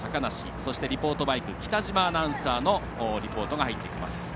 そして、リポートマイク北嶋アナウンサーのリポートが入ってきます。